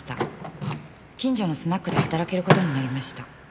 「近所のスナックで働けることになりました」